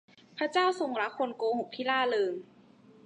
พระเจ้าทรงรักคนโกหกที่ร่าเริง